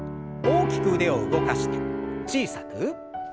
大きく腕を動かして小さく。